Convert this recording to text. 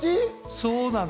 そうなの。